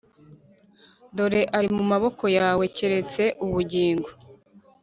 Dore ari mu maboko yawe, keretse ubugingo